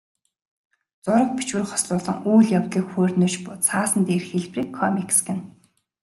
Зураг, бичвэр хослуулан үйл явдлыг хүүрнэж буй цаасан дээрх хэлбэрийг комикс гэнэ.